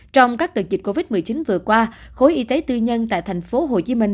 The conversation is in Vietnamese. trong các đợt dịch covid một mươi chín vừa qua khối y tế tư nhân tại thành phố hồ chí minh